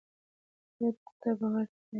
د حیرت ګوته په غاښ ورته حیران وه